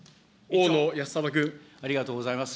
ありがとうございます。